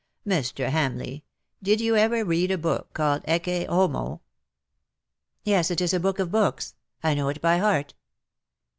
Mr. Hamleigh, did ye ever read a book called ' Ecce Homo ?^"" Yes, it is a book of books. I know it by heart.''